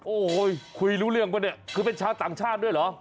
โอ้โหคุยรู้เรื่องป่ะเนี่ยคือเป็นชาวต่างชาติด้วยเหรอ